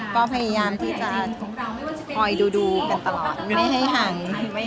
ก็พยายามที่จะปล่อยดูกันตลอดไม่ให้หัง